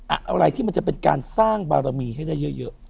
อะไรที่มันจะเป็นการสร้างบารมีให้ได้เยอะ